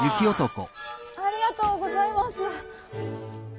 ありがとうございます。